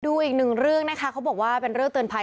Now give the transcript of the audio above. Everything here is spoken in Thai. ดูอีกหนึ่งเรื่องนะคะเขาบอกว่าเป็นเรื่องเตือนภัย